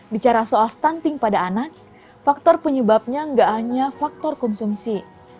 bicara soal stunting pada anak faktor penyebabnya nggak hanya faktor konsumsi